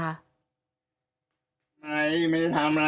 ทำลายไม่ได้ทำอะไร